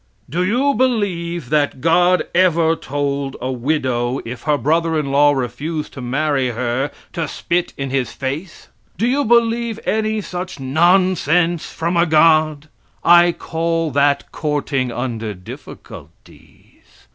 Do you believe that God ever told a widow if her brother in law refused to marry her to spit in his face? Do you believe any such nonsense from a god? I call that courting under difficulties.